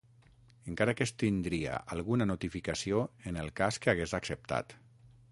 Encara que es tindria alguna notificació en el cas que hagués acceptat.